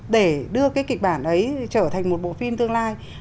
để đưa cái kịch bản ấy trở thành một bộ phim tương lai